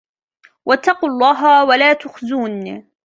وَاتَّقُوا اللَّهَ وَلَا تُخْزُونِ